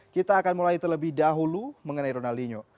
kita akan mulai terlebih dahulu mengenai ronaldinho